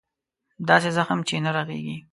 داسې زخم چې نه رغېږي.